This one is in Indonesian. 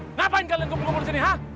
kenapa kalian berbicara disini